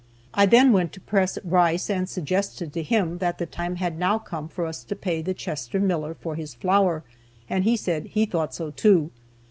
I then went to Press Rice, and suggested to him that the time had now come for us to pay the Chester miller for his flour, and he said he thought so too.